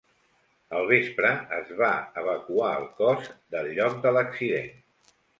Al vespre es va evacuar el cos del lloc de l’accident.